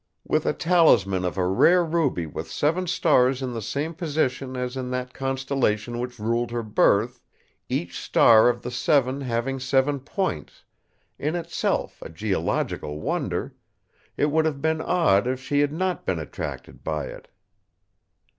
With a talisman of a rare ruby with seven stars in the same position as in that constellation which ruled her birth, each star of the seven having seven points—in itself a geological wonder—it would have been odd if she had not been attracted by it.